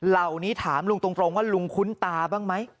เหล่านี้ถามลุงตรงว่าลุงคุ้นตาบ้างไหม